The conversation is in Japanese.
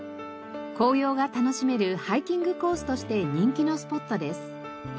紅葉が楽しめるハイキングコースとして人気のスポットです。